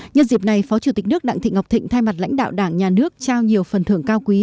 nhân dịp này phó chủ tịch nước đặng thị ngọc thịnh thay mặt lãnh đạo đảng nhà nước trao nhiều phần thưởng cao quý